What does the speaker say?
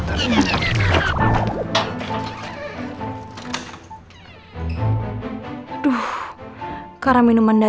mari minuman misalnya